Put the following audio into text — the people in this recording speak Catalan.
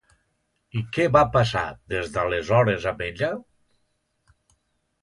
I què va passar, des d'aleshores, amb ella?